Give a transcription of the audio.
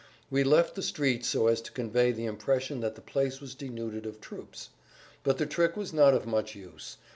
We left the streets so as to convey the impression that the place was denuded of troops. But the trick was not of much use.